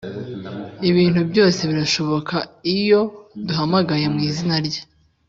ibintu byose birashoboka iyo duhamagaye mu izina rye